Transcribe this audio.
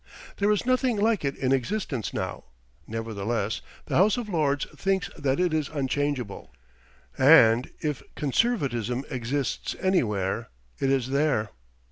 There is nothing like it in existence now. Nevertheless, the House of Lords thinks that it is unchangeable; and, if Conservatism exists anywhere, it is there.